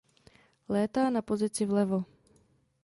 Létá na pozici vlevo.